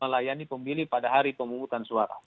melayani pemilih pada hari pemungutan suara